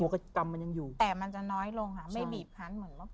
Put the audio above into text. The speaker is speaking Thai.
ตัวกรรมมันยังอยู่แต่มันจะน้อยลงค่ะไม่บีบพันธุ์เหมือนเมื่อก่อน